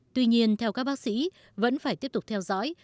tuy nhiên theo các bác sĩ vẫn phải tiếp tục theo dõi